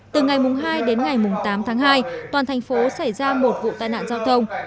từ ngày hai đến ngày tám tháng hai toàn thành phố xảy ra một vụ tai nạn giao thông